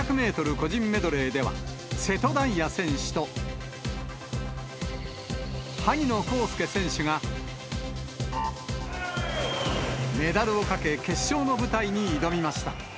個人メドレーでは、瀬戸大也選手と萩野公介選手が、メダルをかけ、決勝の舞台に挑みました。